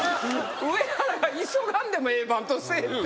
上原が急がんでもええバントせえって。